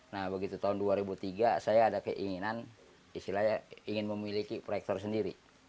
nah begitu tahun dua ribu tiga saya ada keinginan istilahnya ingin memiliki proyektor sendiri